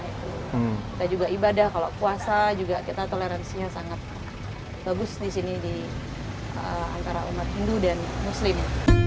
kita juga ibadah kalau puasa juga kita toleransinya sangat bagus di sini di antara umat hindu dan muslim